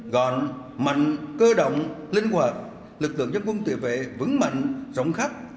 gọn mạnh cơ động linh hoạt lực lượng dân quân tự vệ vững mạnh rộng khắp